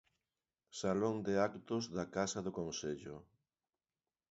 Salón de actos da Casa do Concello.